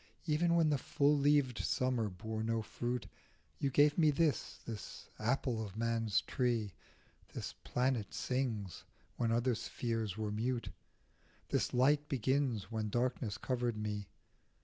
Even when the full leaved Summer bore no fruit You gave me this, this apple of man's tree ; This planet sings when other spheres were mute, This light begins when darkness covered me.